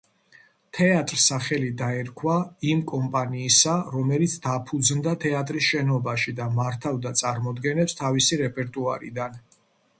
თეატრს სახელი დაერქვა იმ კომპანიისა, რომელიც დაფუძნდა თეატრის შენობაში და მართავდა წარმოდგენებს თავისი რეპერტუარიდან.